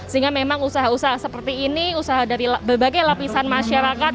sehingga memang usaha usaha seperti ini usaha dari berbagai lapisan masyarakat